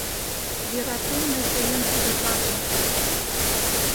Йӧратем мый тыйын Серёжатым.